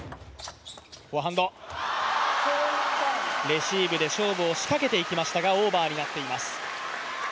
レシーブで勝負をしかけていきましたが、オーバーになっています。